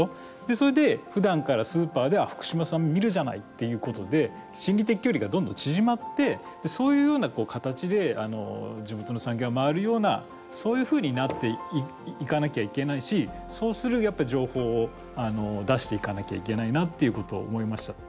それでふだんからスーパーでは福島産、見るじゃないっていうことで心理的距離がどんどん縮まってそういうような形で地元の産業が回るようなそういうふうになっていかなきゃいけないし、そうする情報を出していかなきゃいけないなっていうことを思いました。